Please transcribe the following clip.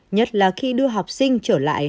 nhất là khi đưa học sinh trở lại